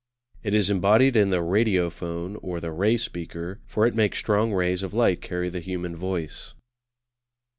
It is embodied in the Radiophone, or the Ray speaker, for it makes strong rays of light carry the human voice.